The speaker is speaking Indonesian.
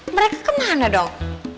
mereka kemana dong